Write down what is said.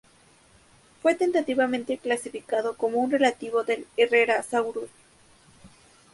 Fue tentativamente clasificado como un relativo del "Herrerasaurus".